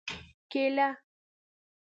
🍌کېله